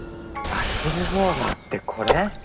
アヒルボーダーってこれ？